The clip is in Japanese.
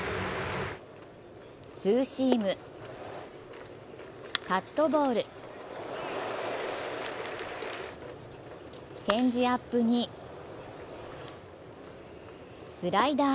ツーシーム、カットボールチェンジアップにスライダー。